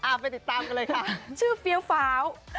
ไปติดตามกันเลยค่ะชื่อเฟี้ยวฟ้าว